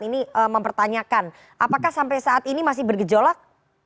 ini mempertanyakan apakah sampai saat ini masih bergejolak